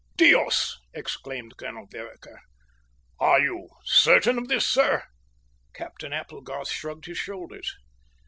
"Dios!" exclaimed Colonel Vereker. "Are you certain of this, sir?" Captain Applegarth shrugged his shoulders.